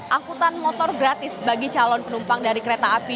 angkutan motor gratis bagi calon penumpang dari kereta api